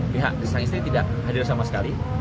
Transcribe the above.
pihak sang istri tidak hadir sama sekali